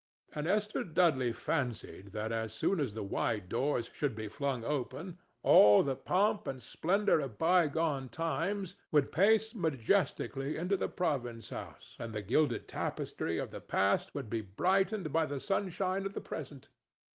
And Esther Dudley fancied that as soon as the wide door should be flung open all the pomp and splendor of bygone times would pace majestically into the province house and the gilded tapestry of the past would be brightened by the sunshine of the present.